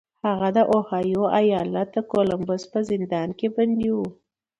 هغه د اوهایو ایالت د کولمبوس په زندان کې بندي و